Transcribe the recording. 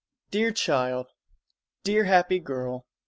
"Dear Child! dear happy Girl!